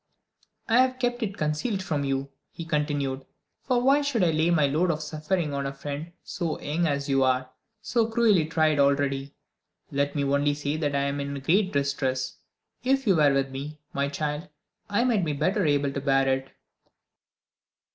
"I have kept it concealed from you," he continued "for why should I lay my load of suffering on a friend so young as you are, so cruelly tried already? Let me only say that I am in great distress. If you were with me, my child, I might be better able to bear it."